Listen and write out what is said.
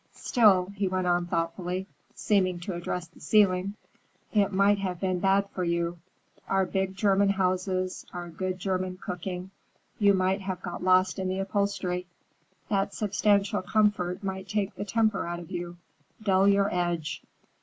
"Still," he went on thoughtfully, seeming to address the ceiling, "it might have been bad for you. Our big German houses, our good German cooking—you might have got lost in the upholstery. That substantial comfort might take the temper out of you, dull your edge.